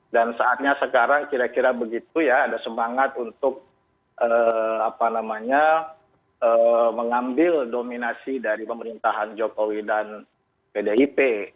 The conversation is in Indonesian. dan saatnya sekarang kira kira begitu ya ada semangat untuk mengambil dominasi dari pemerintahan jokowi dan pdip